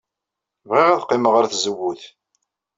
Bɣiɣ ad qqimeɣ ɣer tzewwut.